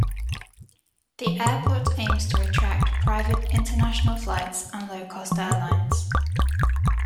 The airport aims to attract private international flights and Low-cost airlines.